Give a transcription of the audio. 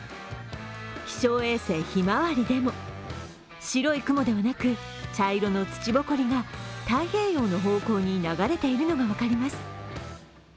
気象衛星ひまわりでも白い雲ではなく茶色の土ぼこりが太平洋の方向にに流れているのが分かります。